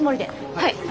はい。